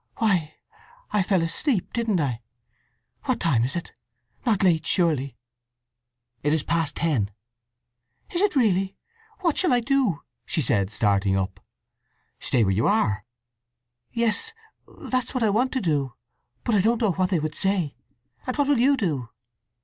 Why, I fell asleep, didn't I? What time is it? Not late surely?" "It is past ten." "Is it really? What shall I do!" she said, starting up. "Stay where you are." "Yes; that's what I want to do. But I don't know what they would say! And what will you do?"